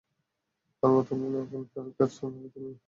আমার অবর্তমানে এখানকার কাজ সামলাবে তুমি যদি আমি না ফিরি।